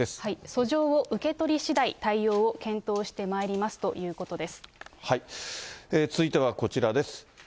訴状を受け取りしだい、対応を検討してまいりますということ続いてはこちらです。